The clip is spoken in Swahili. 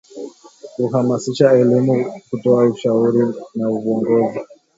kuhamasisha elimu kutoa ushauri na uongozi